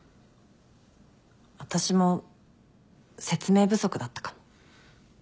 私も説明不足だったかも。